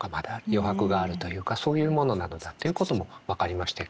余白があるというかそういうものなのだということも分かりましたよね。